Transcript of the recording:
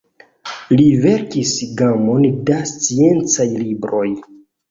Li verkis gamon da sciencaj libroj.